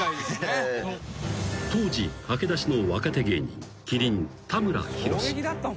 ［当時駆け出しの若手芸人麒麟田村裕］